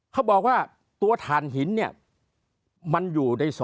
เขาบอกว่าตัวฐานหินเนี่ย